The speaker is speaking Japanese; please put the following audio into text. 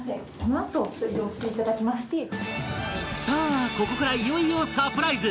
さあここからいよいよサプライズ！